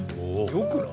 良くない？